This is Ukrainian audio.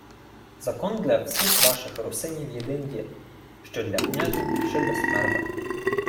— Закон для всіх ваших русинів єдин є: що для князя, що для смерда.